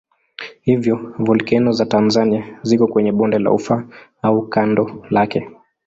Hivyo volkeno za Tanzania ziko kwenye bonde la Ufa au kando lake.